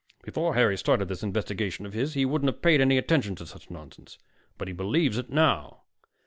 Before Harry started this investigation of his, he wouldn't have paid any attention to such nonsense. But he believes it now."